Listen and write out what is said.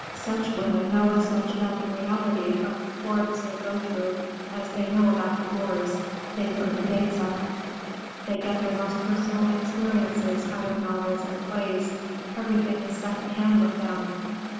Such women know as much about the reality of the forms they go through as they know about the wars they learn the dates of. They get their most personal experiences out of novels and plays. Everything is second hand with them.